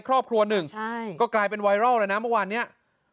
ครอบครัวหนึ่งใช่ก็กลายเป็นไวรัลเลยนะเมื่อวานเนี้ย